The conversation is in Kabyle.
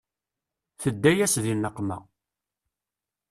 Tedda-yas di nneqma.